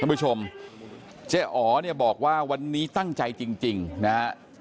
ผู้ชมเจ๊อ๋อเนี่ยบอกว่าวันนี้ตั้งใจจริงนะฮะ